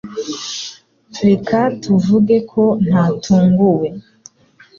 Reka tuvuge ko ntatunguwe